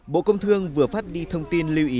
bộ công thương vừa phát đi thông tin lưu ý